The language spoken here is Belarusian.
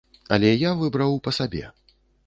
Але я выбраў па сабе.